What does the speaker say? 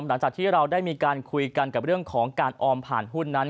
หลังจากที่เราได้มีการคุยกันกับเรื่องของการออมผ่านหุ้นนั้น